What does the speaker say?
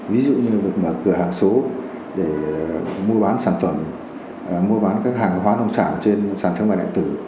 ví dụ như việc mở cửa hàng số để mua bán sản phẩm mua bán các hàng hóa nông sản trên sàn thương mại đại tử